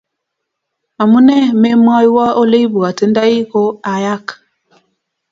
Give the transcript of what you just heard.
amune me mwaiwa ole ibwatindai ko ayak